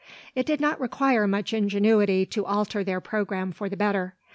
It did not require much ingenuity to alter their programme for the better.